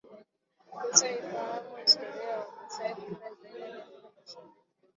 Sasa ifahamu historia ya Wamasai kutoka Israel hadi Afrika Mashariki